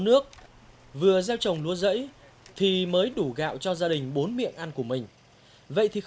nó bị thoát là bây giờ đừng có bón điều nữa nghe chưa